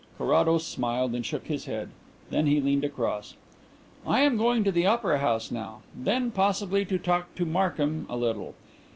Carrados smiled and shook his head. Then he leaned across. "I am going to the opera house now; then, possibly, to talk to Markham a little.